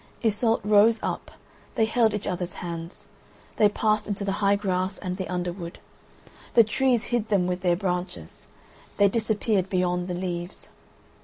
Iseult rose up; they held each other's hands. They passed into the high grass and the underwood: the trees hid them with their branches. They disappeared beyond the leaves.